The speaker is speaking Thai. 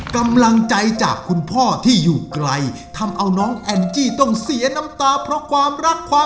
ขอบคุณพี่ซักค่ะ